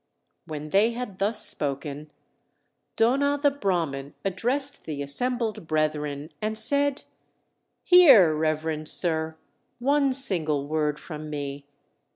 When they had thus spoken, Dona the Brahman addressed the assembled brethren, and said: "Hear, reverend sir, one single word from me.